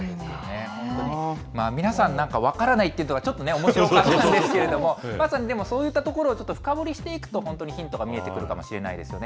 皆さん、分からないというのがちょっとおもしろかったんですけど、まさにそういったところをちょっと深掘りしていくと、本当にヒントが見えてくるかもしれないですよね。